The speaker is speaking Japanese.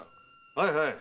はいはい。